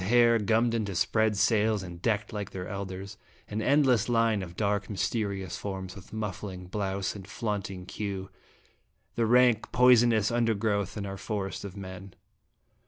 101 hair gummed into spread sails, and decked like their elders ; an endless line of dark, mys terious forms, with muffling blouse and flaunt ing queue, the rank, poisonous undergrowth in our forest of men.